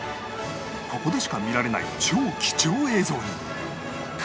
ここでしか見られない超貴重映像に